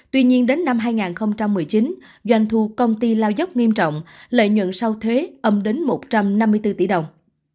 tuy nhiên đến năm hai nghìn một mươi chín doanh thu công ty lao dốc nghiêm trọng lợi nhuận sau thuế âm đến một trăm năm mươi bốn tỷ đồng